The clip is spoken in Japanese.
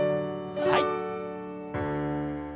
はい。